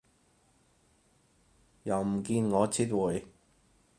又唔見我撤回